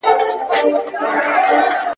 څاڅکی ومه ورک سوم پیمانې را پسي مه ګوره `